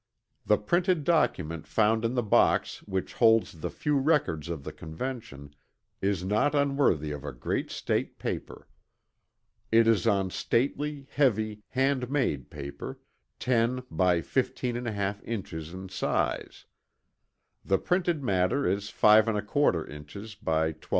The printed document found in the box which holds the few records of the Convention is not unworthy of a great state paper. It is on stately, heavy, hand made paper, 10 by 15 1/2 inches in size. The printed matter is 5 1/4 inches by 12 1/2.